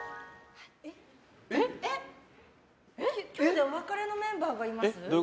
今日でお別れのメンバーがいます。